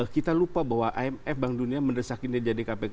kita lupa bahwa imf bank dunia mendesak ini jadi kpk